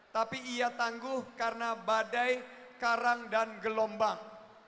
tapi ia tangguh karena badai karang dan gelombang